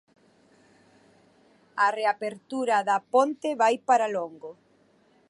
A reapertura da ponte vai para longo.